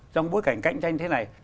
trong bối cảnh cạnh tranh thế này